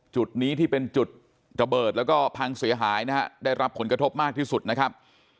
จุดนี้ที่เป็นจุดระเบิดแล้วก็พังเสียหายนะฮะได้รับผลกระทบมากที่สุดนะครับ